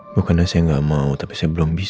bukannya saya gak mau tapi saya belum bisa din